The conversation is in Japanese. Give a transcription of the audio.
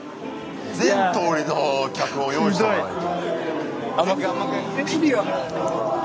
全通りの脚本を用意しとかないと。